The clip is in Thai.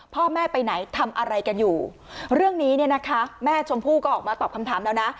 พ่อแม่ไปไหนทำอะไรกันอยู่เรื่องนี้เนี่ยนะคะแม่ชมพู่ก็ออกมาตอบคำถามแล้วนะ